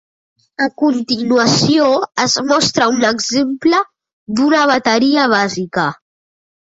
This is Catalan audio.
A continuació es mostra un exemple d'una bateria bàsica.